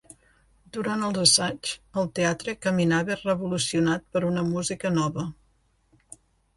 Durant els assaigs, el teatre caminava revolucionat per una música nova.